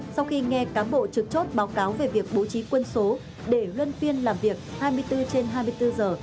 sau khi nghe cán bộ trực chốt báo cáo về việc bố trí quân số để luân phiên làm việc hai mươi bốn trên hai mươi bốn giờ